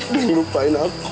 dan melupainya aku